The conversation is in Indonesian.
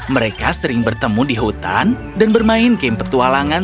mereka sering bertemu di hutan dan bermain game petualangan